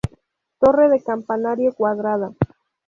Torre de campanario cuadrada.